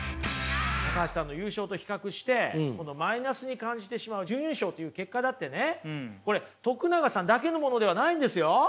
橋さんの優勝と比較してマイナスに感じてしまう準優勝という結果だってねこれ永さんだけのものではないんですよ。